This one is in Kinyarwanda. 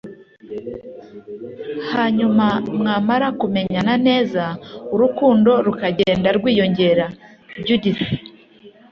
Hanyuma mwamara kumenyana neza urukundo rukagenda rwiyongera Judith